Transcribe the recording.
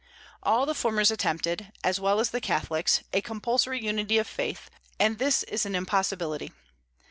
All the Reformers attempted, as well as the Catholics, a compulsory unity of faith; and this is an impossibility.